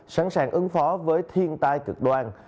sẵn sàng ứng phó với thiên tai cực đoan